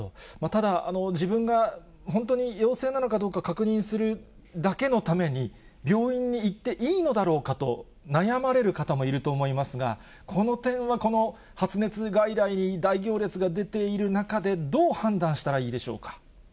ただ、自分が本当に陽性なのかどうか確認するだけのために、病院に行っていいのだろうかと悩まれる方もいると思いますが、この点は発熱外来に大行列が出ている中で、どう判断したらいいでしょうか。